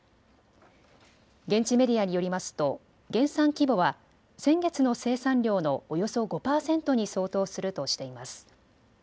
現地メディアによりますと減産規模は先月の生産量のおよそ５％に相当するとしています。